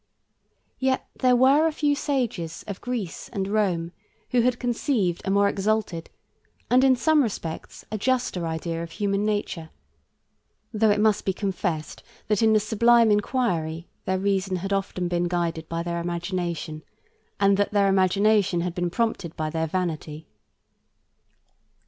Yet there were a few sages of Greece and Rome who had conceived a more exalted, and, in some respects, a juster idea of human nature, though it must be confessed, that in the sublime inquiry, their reason had been often guided by their imagination, and that their imagination had been prompted by their vanity.